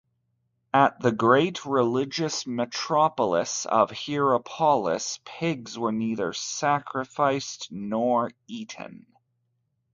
At the great religious metropolis of Hierapolis, pigs were neither sacrificed nor eaten.